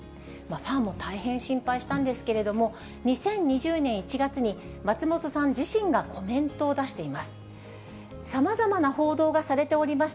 ファンも大変心配したんですけれども、２０２０年１月に松本さん自身がコメントを出しています。